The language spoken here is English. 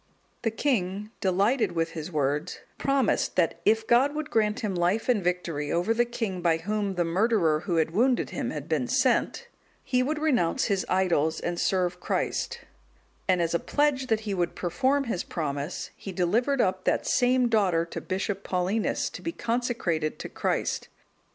The king, delighted with his words, promised, that if God would grant him life and victory over the king by whom the murderer who had wounded him had been sent, he would renounce his idols, and serve Christ; and as a pledge that he would perform his promise, he delivered up that same daughter to Bishop Paulinus, to be consecrated to Christ.